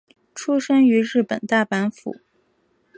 出身于日本大阪府。